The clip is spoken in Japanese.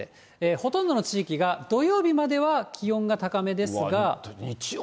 ほとんどの地域が土曜日までは気温が高めですが。